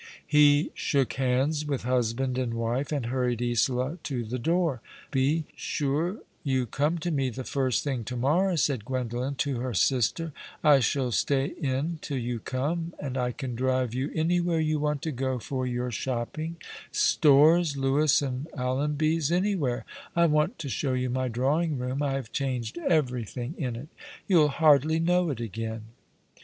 He shook hands with husband and wife and hurried Isola to the door. " Be sure you come to me the first thing to morrow," said Gwendolen to her sister. " I shall stay in till you come, and I can drive you anywhere you want to go for your shopping — Stores, Lewis and Allanby's— anywhere. I waut to show you my drawing room. I have changed everything in it. You'll hardly know it again."